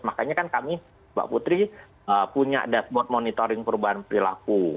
makanya kan kami mbak putri punya dashboard monitoring perubahan perilaku